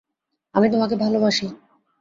আমি তোমাকে ভালোবাসি।